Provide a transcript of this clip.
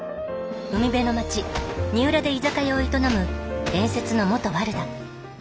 海辺の町二浦で居酒屋を営む伝説の元ワルだ。